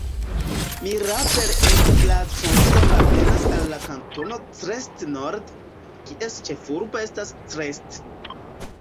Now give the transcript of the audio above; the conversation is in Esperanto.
Mirabel-et-Blacons apartenas al la kantono Crest-Nord, kies ĉefurbo estas Crest.